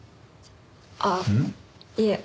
ああいえ。